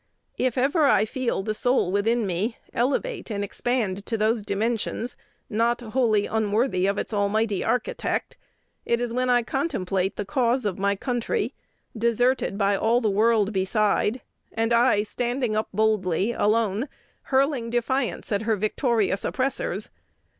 If ever I feel the soul within me elevate and expand to those dimensions, not wholly unworthy of its almighty Architect, it is when I contemplate the cause of my country, deserted by all the world beside, and I standing up boldly, alone, hurling defiance at her victorious oppressors.